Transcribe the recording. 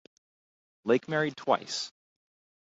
Lake married twice.